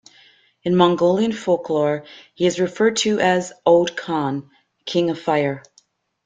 In Mongolian folklore he is referred to as the Od Khan "king of fire".